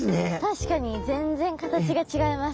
確かに全然形が違います！